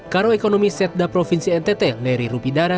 karo ekonomi setda provinsi ntt lari rupidara